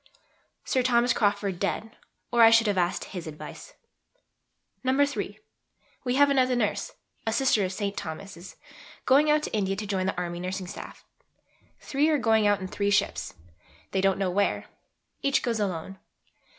Sir Thomas Crawford dead, or I should have asked his advice. (iii.) We have another Nurse (a Sister of St. Thomas's) going out to India to join the Army Nursing Staff. Three are going out in three ships they don't know where each goes alone.